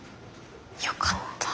よかった。